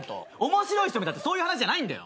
面白い人見たってそういう話じゃないんだよ。